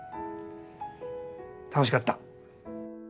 楽しかった。